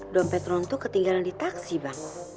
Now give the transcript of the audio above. dompet lo itu ketinggalan di taksi bang